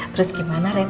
terus gimana ren